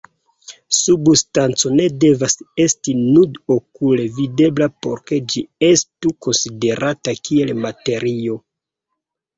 Substanco ne devas esti nud-okule videbla por ke ĝi estu konsiderata kiel materio.